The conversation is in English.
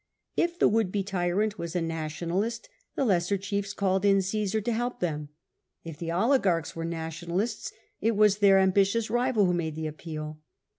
If the would be tyrant was a nationalist, the lesser chiefs called in Cmsar to help them — if the oligarchs were nationalists, it was their ambitious rival who made the appeal.